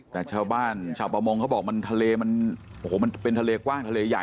แต่ชาวบ้านชาวประมงเขาบอกถ้าถ่ายืมันเป็นทะเลกว่างทะเลใหญ่